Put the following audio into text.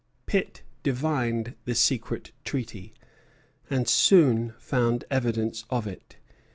Pitt divined the secret treaty, and soon found evidence of it.